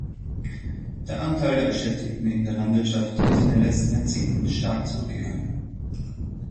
Der Anteil der Beschäftigten in der Landwirtschaft ist in den letzten Jahrzehnten stark zurückgegangen.